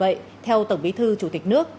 vì vậy theo tổng bí thư chủ tịch nước